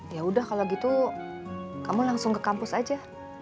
ya udah kalau gitu kamu langsung ke kampus aja